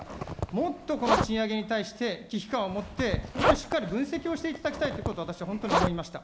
もっとこの賃上げに対して、危機感を持って、本当にしっかり分析をしていただきたいということを私は本当に思いました。